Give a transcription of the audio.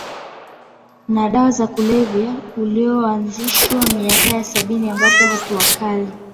na dawa za kulevya ulioanzishwa miaka ya sabini ambapo hatua kali